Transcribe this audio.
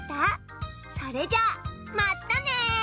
それじゃあまったね！